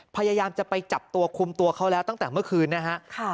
พยายามจะไปจับตัวคุมตัวเขาแล้วตั้งแต่เมื่อคืนนะฮะ